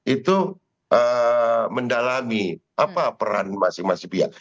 itu mendalami apa peran masing masing pihak